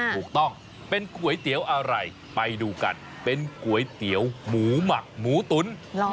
ถูกต้องเป็นก๋วยเตี๋ยวอะไรไปดูกันเป็นก๋วยเตี๋ยวหมูหมักหมูตุ๋น